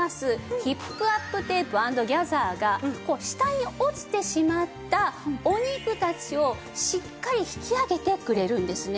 ヒップアップテープ＆ギャザーがこう下に落ちてしまったお肉たちをしっかり引き上げてくれるんですね。